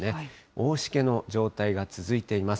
大しけの状態が続いています。